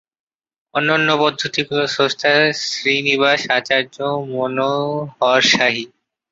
অন্যান্য পদ্ধতিগুলির স্রষ্টা শ্রীনিবাস আচার্য-মনোহরশাহী।